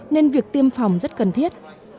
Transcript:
nên việc tiêm phòng rất cần thiết